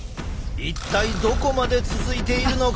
一体どこまで続いているのか。